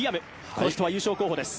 この人は優勝候補です。